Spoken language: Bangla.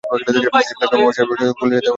এই প্লেগ আসবার সময়টা কলিকাতা হতে সরে এলেই ভাল।